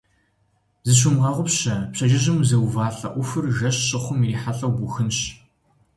Зыщумыгъэгъупщэ: пщэдджыжьым узэувалӀэ Ӏуэхур жэщ щыхъум ирихьэлӀэу бухынщ.